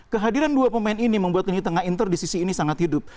kehadiran dua pemain ini membuat lini tengah inter di sisi ini sangat hidup